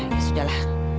ya sudah lah